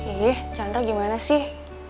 iih chandra gimana sih